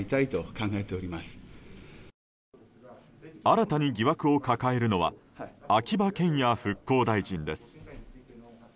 新たに疑惑を抱えるのは秋葉賢也復興大臣です。